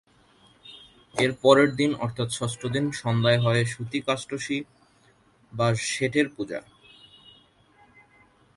এর পরের দিন অর্থাৎ ষষ্ঠদিন সন্ধ্যায় হয় সূতিকাষষ্ঠী বা ষেটের পূজা।